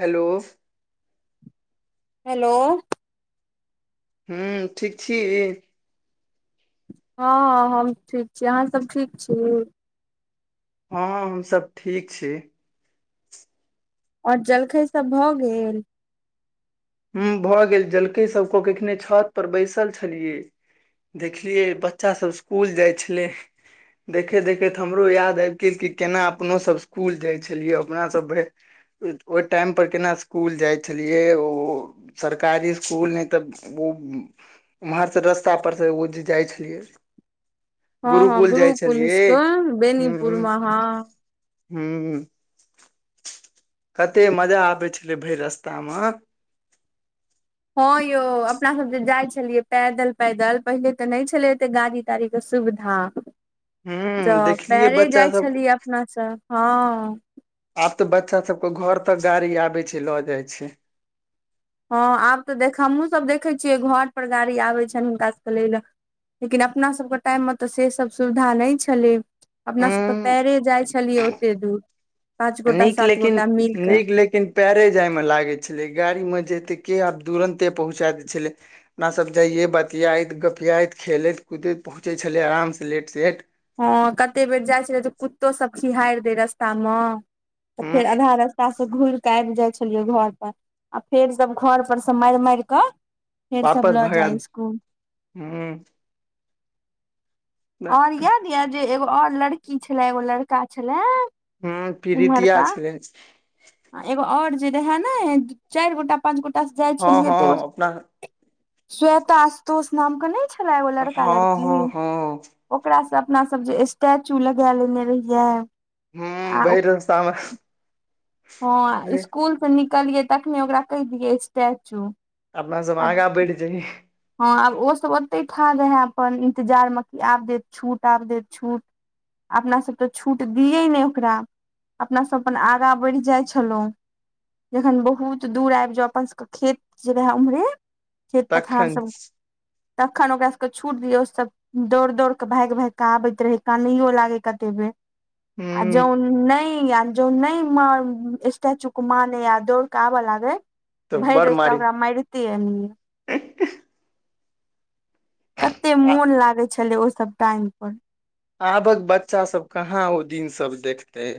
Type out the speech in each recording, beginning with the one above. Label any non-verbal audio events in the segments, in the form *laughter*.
hello hello हूँ ठीक छी हँ हम ठीक छी अहाँ सब ठीक छी हँ हम सऽ ठीक छी आओर जलखै सब भऽ गेल ह भऽ गेल जलकै सभ कऽ के कखने छत पर बैसल छलियै देखलियै बच्चा सब स्कुल जाय छलैय देखैत देखैत हमरो याद आब गेल कि केना अपनोसभ स्कुल जाइ छलियै अपनासभ भरि ओहि टाइम पर केना स्कुल जाइ छलियै ओ सरकारी स्कुल नहि तऽ उ ओम्हरसँ रस्तापरसँ ओ जे जाइ छलियै हँ हँ गुरुकुल जाइ छलियै स्कूल हू बेनीपुर हू मे हँ कते मजा आबै छलै भरि रस्तामऽ हँं यौ अपना सब जे जाय छलियै पैदल पैदल पहिले तऽ नहि छले एते गाड़ी गाड़ी कऽ सुविधा हूं तऽ देखलियै पैरे बच्चा जाइ सब छलियै अपना सऽ हँ आब तऽ बच्चा सब कऽ घर तक गाड़ी आबे छै लऽ जाय छै हँ आब तऽ देख हमहूँसभ देखै छियै घर पर गाड़ी आबै छनि हुनका सभके लै लऽ लेकिन अपनासभके टाइममे तऽ से सब सुविधा नहि छलैय अपनासभ तऽ हूं पैरे जाइ छलियै ओते दूर पाँच गोटा नीक सात लेकिन गोटा मिल कऽ नीक लेकिन पैरे जाय मऽ लागे छलै गाड़ी में जेते के आब तुरन्ते पहुँचा दै छलैय अपनासभ जइयै बतियाइत गपियाइत खेलैत कुदैत पहुँचैत छलै आरामसँ लेट सेट हँ कते बेर जाइ छले तऽ कुत्तो सब खिहारहारि दे रास्ता मे तऽ हूं फेर आधा रास्ता *unintelligible* घूुर केऽ आबि जाइ छलियै घर पर आ फेर जब घर पर से मारि मारि कऽ फेर सब वापस लऽ भगा जाय स्कुल हू आओर याद य जे एगो आओर लड़की छलए एगो लड़का छलए हू पीरितिया छले एगो आओर जे रहय नऽ चारि गोटा पच गोटा जाइ हँ छलये हँ तऽ अपना स्वेता आशुतोष नाम कऽ नहि छलै एगो लड़का हँ लड़की हँ हँ ओकरासँ अपना सब जे स्टैचू लगा लेने रहियै हू आ भेर रास्ता मऽ हँ स्कुल सऽ निकलियै तखने ओकरा कहि दियै स्टेचू अपना सब आगा बेड जाये हँ आब ओसभ ओतहि ठा रह है अपन इन्तजारमे कि आब देत छूट आब देत छूट अपनासभ तऽ छूट दियै नहि ओकरा अपना सभ अपन आगाँ बढ़ि जाइ छलहुँ जखन बहुत दूर आबि जाो अपन सबके खेत जे रहै ओम्हरे खेत पथार सब तखन तखन ओकरा सब कऽ छूट दिय ओ सब दौड़ दौड़ कऽ भागि भागि कऽ आबैत रहै कानैयो लागे कतेक बेर हूं जो नहि अयल जो नहि म स्टेचू को मानेय दौड़ कऽ आबऽ लागेय तऽ भरि बड़ रास्ता तऽ मारी ओकरा मारते आनये कते आ मोन लागे छले ओहि सब टाइम पर आबक बच्चा सब कहाँ ओ दिन सब देखते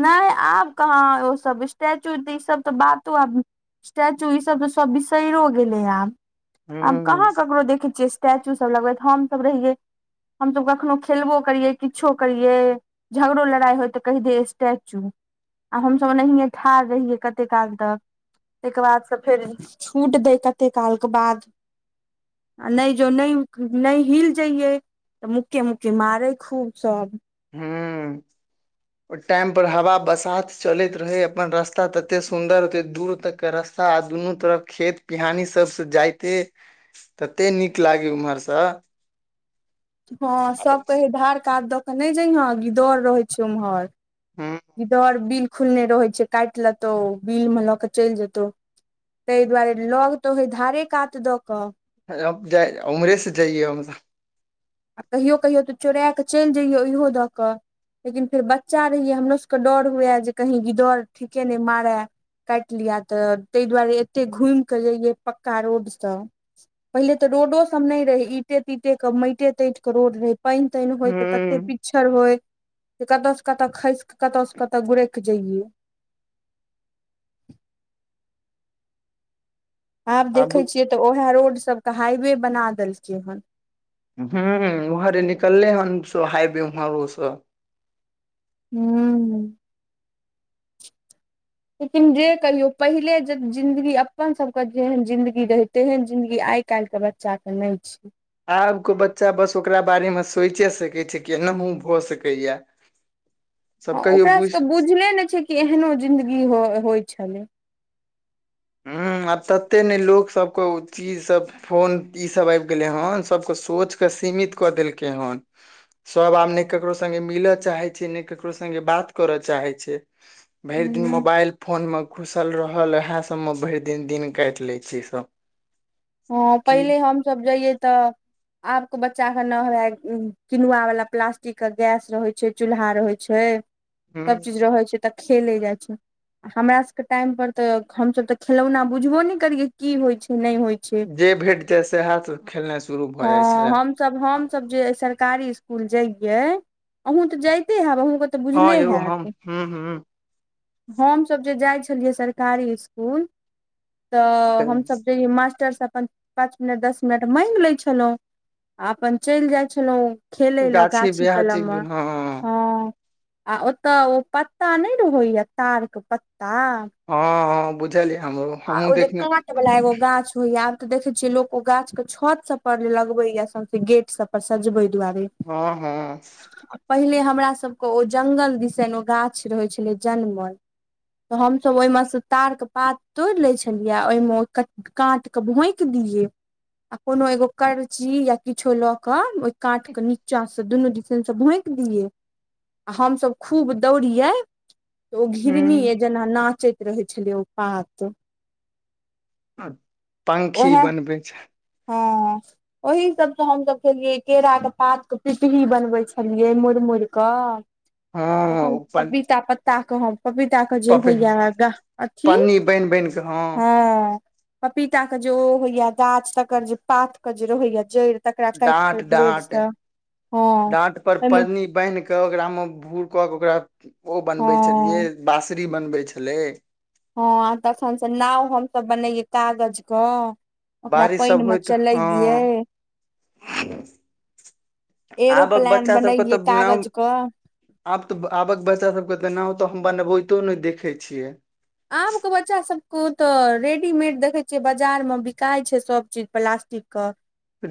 नहि आब कहाँ ओ सब स्टैचू ई सब तऽ बातो आब स्टैचू ई सब त सब बिसरो गेले ह आब हूं आब कहाँ ककरो देखे छियै स्टैचू सब लगबैत हमसब रहियै हमसब कखनो खेलबो करियए किछो करिये झगड़ो लड़ाई होय तऽ कहि दिये स्टेचू आ हमस ओनाहिये ठाढ़ रहियै कते काल तक ताहिके बाद से फेर छूट देै कते कालकऽ बाद आ नहि जो नहि नहि हिल जइयए तऽ मूकिय मूकिय मारे खूब सब हूं ओ टाइम पर हवा बसात चलैत रहे अपन रस्ता तते सुंदर ओते दूर तक कऽ रस्ता ा दुनू तरफ खेत पिहानी सबस जाइते तते नीक लागे ओम्हरसँ हँ सब कहे धार कात दऽ के नहि जाइहे गिदर रहे छै उम्हर हूं गिदर बिल खुलने रहै छै काटि लेतौ बिल मऽ लऽ के चलि जेतौ ताहि दुआरे लग तऽ होेय धारे कात दऽ कऽ जा उमरे से जाइयए हमसब आ कहियो कहियो तऽ चोरा कऽ चलि जइयौ उहो दऽ कऽ लेकिन फेर बच्चा रहियै हमरो सबके डर हुए जे कही गिदर ठीके नहि मारय काटि लििया तऽ ताहि दुआरे एते घुमि कऽ जइये पक्का रोडसँ पहिले तऽ रोडो सब नहि रहे इंटे तीटे के माटे तेट के रोड रहे पानि तानि होय तते प हूं पिछर होइ जे कतऽ से कतऽ खस क कतऽ से कतऽ गुरैक जइयए आब देखे छियै तऽ उएहे रोड सबके हाइवे बना देलकै हन ह वहरे निकलले हन सो हायी उहर ओ हू लेकिन जे कहियो पहिले ज जिन्दगी अपन सबके जेहन जिंन्दगी रहे तेहन जिंन्दगी आइ काल्हि के बच बच्चा कऽ नहि छै आब को बच्चा बस ओकरा बारे मे सोचे सकै छै किनाहु भऽ सकैया हँ सब कहियो ओकरा बुझ सभके बुझले नहि छै कि एहनो जिंन्दगी हो होइत छलैय हू आब तते ने लोक सबके ओ चीज सब फोन इसभ आबि गेलै हन सभकेँ सोचि कऽ सीमित कऽ देलकै हन सभ आब नऽ ककरो संगे मिलय चाहे छै नऽ ककरो संगे बात करय चाहे छै भरि दिन हूँ मोबाइल फोनमे घुसल रहल उएह सभमे भरि दिन दिन काटि लैत छी इसभ हँ पहिले हमसभ जइये तऽ आब के बच्चा के न ह किनुआ वाला प्लास्टिक के गैस रहे छै चूल्हा रहै छै ह सब चीज रहै छै तऽ खेले जाइ छै आ हमर सभके टाइम पर तऽ हमसभ तऽ खेलौना बुझबो नहि करियै की होइत छै नहि होइ छै जे भेट जाय सेहाथ खेलनाइ शुरू भऽ जाइ छलय हम सरकारी स्कुल जाये आहू तऽ जायते हेब तऽ हँ बुझले यौ हम हायत हूँ हूँ हमस जे जाइ छलियै सरकारी स्कुल तऽ हमसब जाऐ मास्टर अपन पाँच मिनट दस मिनट मागि लै छलहुँं आ अपन चलि जाइ छलहुं खेलै लए गाछी कलम मऽ हँ आ ओतय ओ पत्ता नहि रहैय तार कऽ पत्ता हँ बुझलियै हमरो आ हमहुँ ओ जे देखने काँट वला एगो गाछ होइया त देखे छीिये लोको ओ गाछ के छत सब पर लगबे या सौंसे गेट सब पर सजवे दुआरे हँ हँ आ पहिले हमरा सबके ओ जंगल दिस ओ गाछ रहैत छलैय जनमल तऽ हमस ओहि में से ताार के पात तोड़ ले छलियै ओहिमे काट कऽ भोक दिय आ कोनो एगो करची या किछो लऽ के ओहि काट के नीचा सऽ तऽ दुनू दिसनसँ भोकि दियै आ हमसभ खूब दौड़ियै ओ घिरनी हूं जेना नाचैत रहै छलै ओ पात आ पंखी ओएह बनबै छै हँ ओहिी सबसँ हमसभ खेलियै केराकऽ पात कऽ पिपही बनबे छलियै मुड़ि मुड़ कऽ हँ तखन ओ पन पपीता पत्ता कऽ हम पपीता कऽ जे पपे होयऽ अथी पन्नी बान्हि बान्हि कऽ हँ पपीता के जे ओ होइया गाछ तकर जे पात के जे रहैया जड़ि तकरा काटििकऽ डाँट डाँट ब्लेडसँ हँ डाँट पर ओहिमऽ पन्नी बान्हि कऽ ओकरामे भूर कऽ कऽ ओकरा ओ बनबै छलियै हँ बासरी बनबै छलैय हँ तखन सऽ नाव हमसभ बनैये कागज कऽ ओकरा बारिश पानि सब मऽ होइत चलैए हँ आबक एरोप्लान बच्चा सबके बनैये तऽ नाम कागज कऽ आब तऽ आबक बच्चा सब के तऽ नाव तऽ हम बनबैतो नऽ देखे छियै आब के बच्चा सबके ओ तऽ रेडीमेड देखै छियै बाजार मे बिकाय छै सब चीज प्लास्टिक कऽ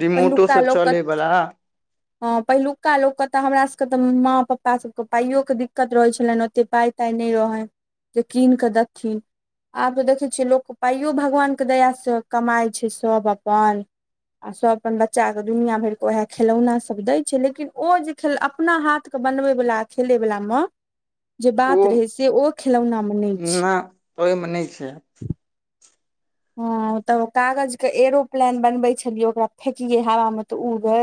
रिमोटो से लोक कऽ चले बला हँ पहिलुका लोक के तऽ हमरा सब के तऽ माँ पापा सबके पाइयो के दिक्कत रहैत छलनि ओते पाइ ते नहि रहैय कीन कऽ दखि आब तऽ देखै छियै लोकके पाइयो भगवानके दयासँ कमाइत छै सभ अपन आ सब अपन बच्चा के दुनििया भरि के उएह खेलौना सब दय छै लेकिन ओ जे खेल अपना हाथ कऽ बनबैवला खेलैवला मऽ जे ओ बात रहै से ओ खेलौनामे नै छै ओहि मे नइ छै हँ तब कागज कऽ एरोप्लेन बनबै छलियै ओकरा फेेकिये हवा मे तऽ उरै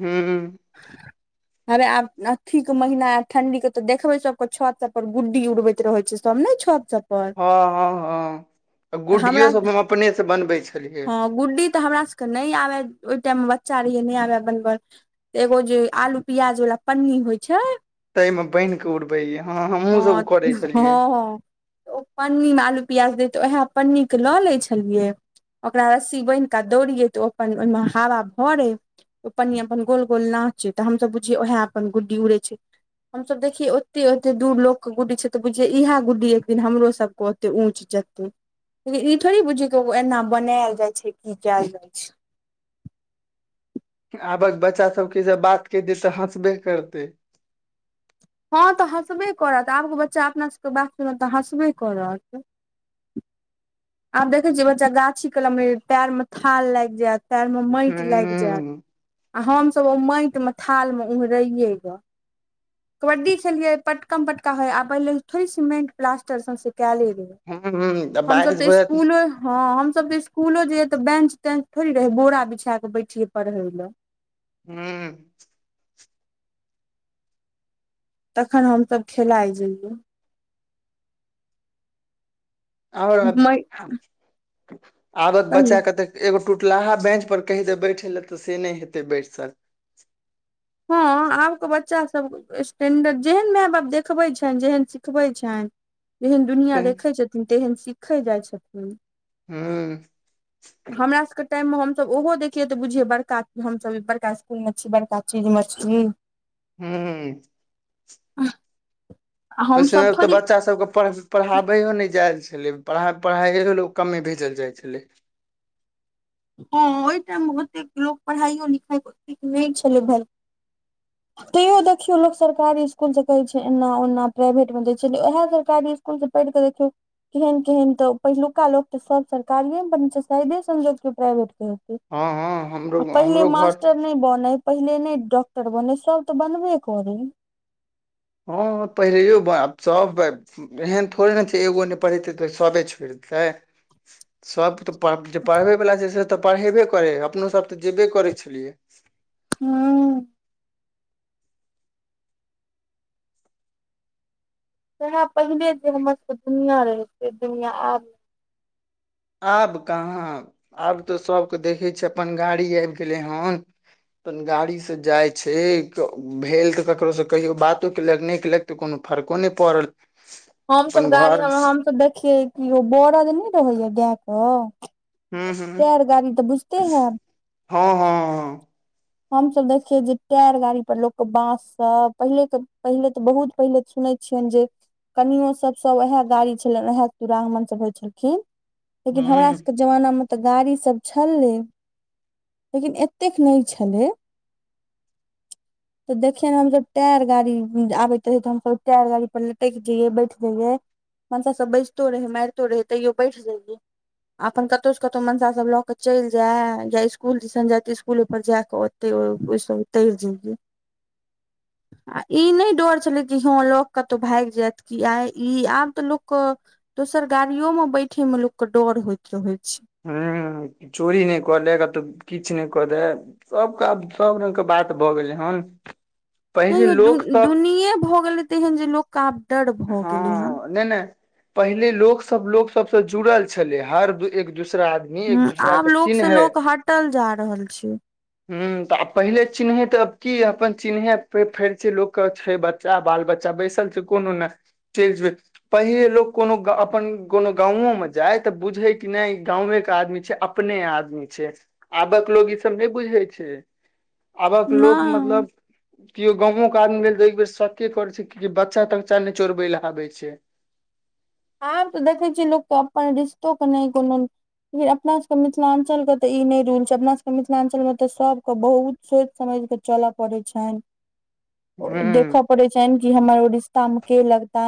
हूँ *inaudible* अरे आब अथी कऽ महीना ऐत ठंडी केँ तऽ देखबै सब क छत सब पर गुड्डी उड़बैत रहै छै सब नै छत सब पर हँ हँ हँ तऽ हमरा गुड्डियो सब अपने से बनबे हँ गुड्डी तऽ हमरा सभ कऽ नइ आबै ओहि टाइम मे बच्चा रहियै नै आबै बनब एगो जे आलू प्याज वला पन्नी होइ छै तहि मे बान्हि कऽ उड़बै रहियै हँ हमहूँ हँ सब करै छलियै हँ ओ पन्नी मऽ आलू प्याज दै तऽ ओहै पन्नी क लऽ लै छलियै ओकरा रस्सी बान्हि कऽ दौड़ियै तऽ ओ अपन ओहिमे हवा भरै ओ पन्नी अपन गोल गोल नाचै तऽ हमसब बुझियै ओहै अपन गुड्डी उड़ै छै हमस देखिये ओते ओते दूर लोग कऽ गुडी छै तऽ बुझिये इएह गुडी एक दिन हमरो सब कऽ ओते ऊँच जेतै, लेकिन ई थोड़ी बुझीयै एना बनैल जाइ छै की कैयल जाय छै आबक बच्चा सबके जब बात कैह दै तऽ हँसबे करतै हँ तऽ हँसबे करत आब कऽ बच्चा अपना सब कऽ बात सुनत तऽ हँसबे करत आब देखै छियै बच्चा गाछी कलम पैर म थाल लाइग जैत पैर म माइट लाइग जैत हूँ आ हमसब ओ माइट मऽ थाल म ओंगहराइयै गऽ कबड्डी खेलिये पटकम पटका होय आ पहिले थोड़ी सीमेंट प्लास्टर सौसे कैयले रहै *unintelligible* त हमसभ बरिस तऽ भऽ जैत हँ स्कूलो हमस तऽ इस्कूलो जाइयै तऽ बेंच तेंच थोड़ी रहै बोरा बिछै कऽ बैठियै पड़है लऽ हूँ तखन हमसभ खेलाइ रहियै आओर मै आबक कहियौ बच्चा कऽ दे एगो टुटलाहा बेंच पर कहि दै बैठेल तऽ से नहि हेतै बैसल हँ हँ आब कऽ बच्चा सब स्टैंडर जेहन माय बाप देखबै छैन जेहन सिखबै छैन तेहेन दुनिया तै देखै छथिन तेहन सीखल जाइ छथिन हूँ हमरा सब कऽ टाइम मऽ हम सब ओहो देखिये तऽ बुझिये बड़का हम सब बड़का स्कूल मऽ छी बड़का चीज मऽ छी हूँ आ ओहि हमसभ समय मऽ तऽ थोड़ी बच्चा सब कऽ पड़ पढ़ाबैयो नहि जायल छलै परहा परहाइयो लऽ कमे भेजल जाइ छलै हँ ओहि टाइम मे ओतेक लोक पढ़ाइयो लिखाइ ओतेक नहि छलै भ तैयो देखियो लोक सरकारी स्कूल जे कहे छै एना ओना प्राइवेट मे देय छलै औहै सरकारी इस कुल सँ पैढ़ कऽ केहन केहन तऽ पहिलुका लोक तऽ सब सरकारिए मऽ बन छै शायदे संजोग कियो प्राइवेट केँ हँ हँ हमरो आ पहिले हमरो घर मास्टर नहि बनै पहिले नै डॉक्टर बनै सब तऽ बनबे करै हँ हँ पहिलेयौ बा *unintelligible* एहन थोड़े नऽ छै एगो नहि पढ़ेतै तऽ सभे छोड़ि देतै, सब तऽ पर जे पढ़बैवला छै से तऽ पढ़ेबे करै अपनोसभ तऽ जेबे करै छलियै *unintelligible* सैहाँ पहिले जे हमर सब केँ दुनियाँ रहे से दुनियाँ आब नै आब कहाँ आब तऽ सभ केँ देखै छियै अपन गाड़ी आइब गेलै हन अपन गाड़ी से जाइ छै भेल तऽ ककरोसँ कहियो बातो केलक नै केलक तऽ कोनो फर्को नै पड़ल *inaudible* हमसभ अपन गाड़ी घर हूँ हमसब देखियै कि बरद नै रहैय गाय केँ *inaudible* हूँ टेरगाड़ी तऽ बुइझते हैब हँ हँ हँ हम सब देखिये जे टायर गाड़ी पर लोक केँ बांस सब पहिले केँ पहले ते बहुत पहिले सुनै छियन जे कनियो सब सब उएह गाड़ी छलैन उएह दुरागमन सब होइ छलखिन *inaudible* लेकिन हमरा हूँ सब केँ जमाना मे तऽ गाड़ी सब छलै *inaudible* लेकिन एतेक नै छलै *inaudible* तऽ देखियै ने हमसभ टायर गाड़ी आबैत रहै तऽ हमसभ टायर गाड़ी पर लटैक जइयै बैठ जइये मनसा सब बैजतो रहै मारते रहै तैओ बैठ जाइऐ अपन कटौ सँ मनसा सब ल के चैल जाए या इसकुल दिसन जाय तऽ इसकुल पर जा कऽ ओते ओहिस उतैर जाइए *inaudible* आ इ नहि डर छलै कि हँ लऽ कऽ कतहु भाइग जाइत कि आइ इ आब तऽ लोक कऽ दोसर गाड़ियोमे बैठयमे लोककेँ डर होइत रहैत छै हूँ चोरी नहि कऽ लेग किछ नहि कऽ दैत सब केँ आब सब रंग केँ बात भऽ गेलै हन नहि पहिले यौ दु लोक सब दुनिय भऽ गेलै तेहेन जे लोक कऽ आब डर भऽ गेलै हन नै नै पहिले लोक सब लोक सबसँ जुड़ल छले हर एक दूसरा आदमी एक हू दूसरा आब के लोक सँ चिन्है लोक हटल जा रहल छै ह तऽ आब पहिले चिन्ह तऽ आब की अपन चिन्ह फड़ छै लोक कऽ छै बच्चा बाल बच्चा बैसल छै कोनो नै चैल जैबे पहिले लोक कोनो अपन कोनो गाँव मऽ जाय तऽ बुझै कि नहि गाँव केँ आदमी छै अपने आदमी छै आबक लोग इ सब नहि बुझै छै आबक लोक नहि मतलब केओ गाँवो केँ आदमी भेल तऽ एक बेर शके करै छै कि बच्चा तच्चा नहि चोरबै लए आबे छै आब तऽ देखै छीयै लोक तऽ अपन रिश्तो के नहि कोनो लेकिन अपना सब केँ मिथिलांचल कऽ तऽ इ नहि रूल छै अपना सब केँ मिथिलांचल मऽ तऽ सब केँ बहुत सोचि समझि कऽ चलय पड़ैत छैन *unintelligible* हूँ देखऽ पड़े छैन कि हमर उऽ रिस्ता मऽ केँ लगता